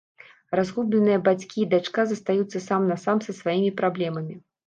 Разгубленыя бацька і дачка застаюцца сам-насам са сваімі праблемамі.